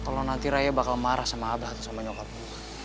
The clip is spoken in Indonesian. kalau nanti raya bakal marah sama abah sama nyokap